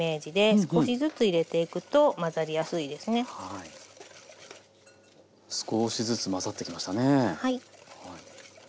少しずつ混ざってきましたね。